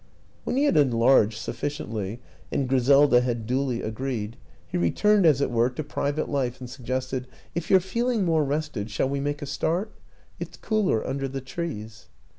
When he had enlarged sufficiently and Griselda had duly agreed, he returned as it were to private life and suggested: " If you're feeling more rested, shall we make a start? It's cooler under the trees."